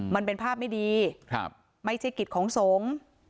มันเป็นภาพไม่ดีไม่ใช่กิจของสงฆ์